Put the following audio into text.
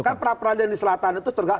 kan perapradilan di selatan itu